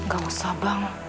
gak usah bang